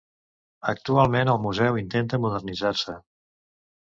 Actualment, el museu intenta modernitzar-se.